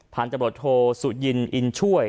ผ่านจำรวจโทรสุจินอินช่วย